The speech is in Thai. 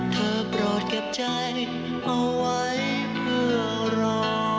โปรดเก็บใจเอาไว้เพื่อรอ